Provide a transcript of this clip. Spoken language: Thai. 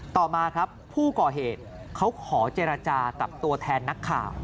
ต่อมาครับผู้ก่อเหตุเขาขอเจรจากับตัวแทนนักข่าว